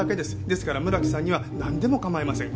ですから村木さんにはなんでも構いません。